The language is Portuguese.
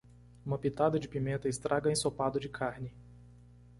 Uma pitada de pimenta estraga ensopado de carne.